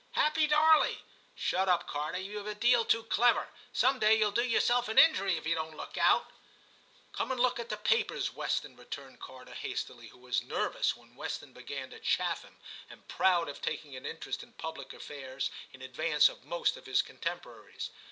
Happy Darley.' * Shut up, Carter ; youVe a deal too clever ; some day you'll do yourself an injury if you don't look out' * Come and look at the papers, Weston,' returned Carter hastily, who was nervous when Weston began to chaff him, and proud of taking an interest in public affairs in advance of most of his contemporaries.